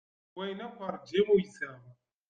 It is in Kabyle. Deg wayen akk rǧiɣ uyseɣ.